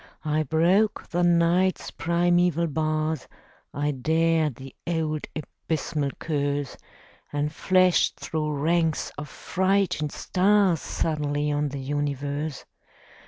I broke the Night's primeval bars, I dared the old abysmal curse, And flashed through ranks of frightened stars Suddenly on the universe!